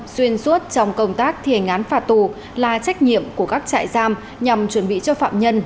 xuyên suốt trong công tác thiền ngán phạt tù là trách nhiệm của các trại giam nhằm chuẩn bị cho phạm nhân